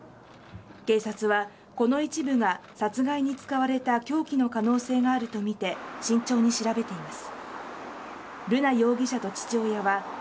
警察はこの一部が殺害に使われた凶器の可能性があるとみて慎重に調べています。